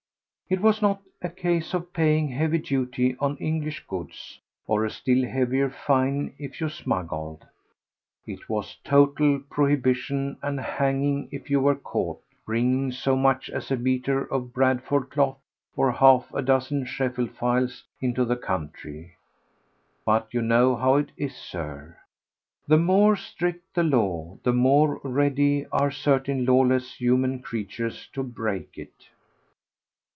It was not a case of paying heavy duty on English goods, or a still heavier fine if you smuggled; it was total prohibition, and hanging if you were caught bringing so much as a metre of Bradford cloth or half a dozen Sheffield files into the country. But you know how it is, Sir: the more strict the law the more ready are certain lawless human creatures to break it.